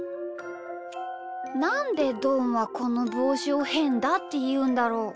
なんでどんはこのぼうしを「へんだ」っていうんだろう？